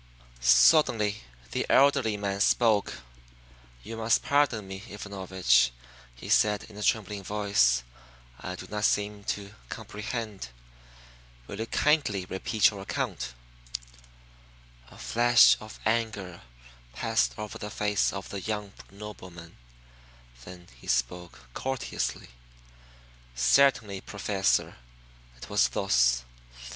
Suddenly the elderly man spoke. "You must pardon me, Ivanovich," he said in a trembling voice. "I do not seen to comprehend. Will you kindly repeat your account?" A flash of anger passed over the face of the young nobleman; then he spoke courteously. "Certainly, Professor! It was thus.